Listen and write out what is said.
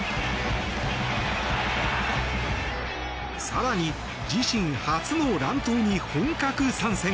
更に、自身初の乱闘に本格参戦。